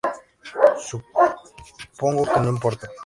Supongo que no importa.